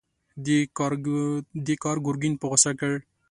دې کار ګرګين په غوسه کړ.